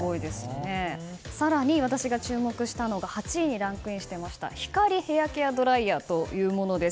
更に、私が注目したのが８位にランクインしていました光ヘアケアドライヤーというもの。